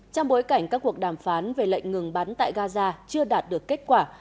trong bối cảnh các cuộc đàm phán về lệnh ngừng bắn tại gaza chưa đạt được kết quả